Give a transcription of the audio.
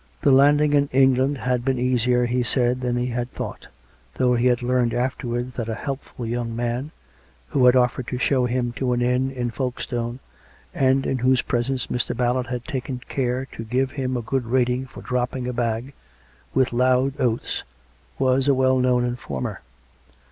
The landing in England had been easier, he said, than he had thought, though he had learned afterwards that a helpful young man, who had offered to show him to an inn in Folkeirtone, and in whose presence Mr. Ballard had taken care to give him a good rating for dropping a bag — with loud oaths — was a well known informer.